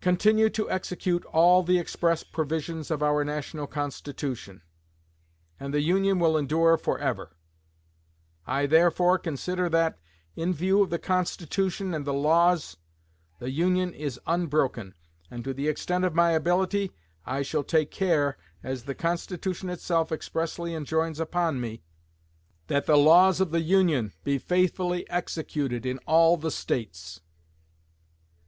Continue to execute all the express provisions of our National Constitution, and the Union will endure forever.... I therefore consider that, in view of the Constitution and the laws, the Union is unbroken, and to the extent of my ability I shall take care, as the Constitution itself expressly enjoins upon me, that the laws of the Union be faithfully executed in all the States.